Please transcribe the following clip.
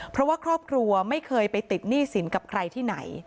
เพราะว่าครอบครัวไม่เคยไปติดหนี้สินกับใครที่ไหน